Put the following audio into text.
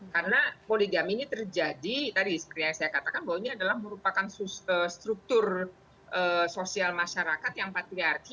karena poligami ini terjadi tadi sebenarnya saya katakan bahwa ini adalah merupakan struktur sosial masyarakat yang patriarki